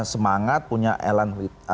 semangat punya elan